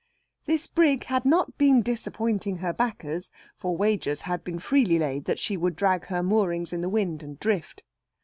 This brig had not been disappointing her backers, for wagers had been freely laid that she would drag her moorings in the wind, and drift.